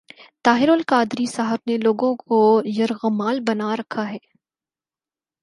طاہر القادری صاحب نے لوگوں کو یرغمال بنا رکھا ہے۔